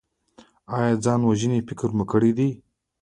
ایا د ځان وژنې فکر مو کړی دی؟